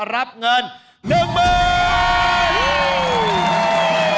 รับเงิน๑บาท